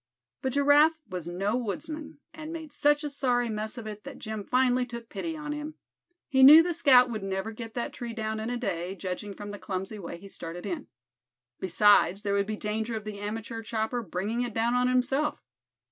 But Giraffe was no woodsman, and made such a sorry mess of it that Jim finally took pity on him. He knew the scout would never get that tree down in a day, judging from the clumsy way he started in. Besides, there would be danger of the amateur chopper bringing it down on himself.